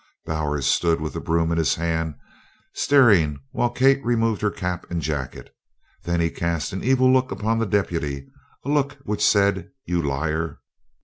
Bowers stood with the broom in his hand, staring, while Kate removed her cap and jacket. Then he cast an evil look upon the deputy, a look which said, "You liar!"